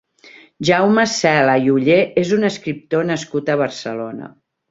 Jaume Cela i Ollé és un escriptor nascut a Barcelona.